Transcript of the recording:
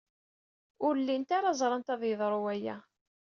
Ur llin ara ẓran ad yeḍru waya.